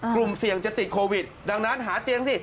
กลุ่มเสี่ยงจะติดโควิดดังนั้นหาเตียงสิ